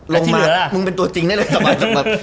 ลงมามึงเป็นตัวจริงได้เลยสบายสตรับ